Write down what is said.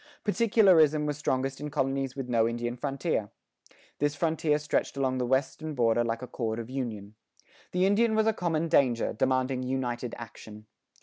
Particularism was strongest in colonies with no Indian frontier. This frontier stretched along the western border like a cord of union. The Indian was a common danger, demanding united action.